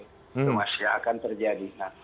yang masih akan terjadi